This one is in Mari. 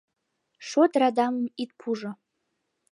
— Шот-радамым ит пужо.